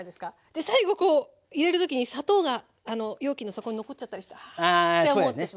で最後こう入れる時に砂糖が容器の底に残っちゃったりしてあって思ってしまう。